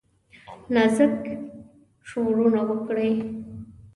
نازک شورونه وکړي